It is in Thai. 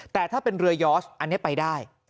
แต่ถ้าเป็นเรือยอสอันนี้ไปได้